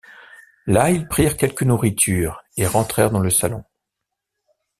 Là, ils prirent quelque nourriture et rentrèrent dans le salon.